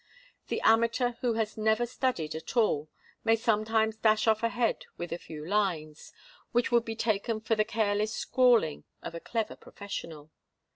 The amateur who has never studied at all may sometimes dash off a head with a few lines, which would be taken for the careless scrawling of a clever professional.